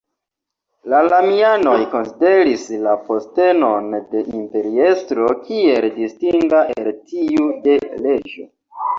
La Romianoj konsideris la postenon de imperiestro kiel distinga el tiu de reĝo.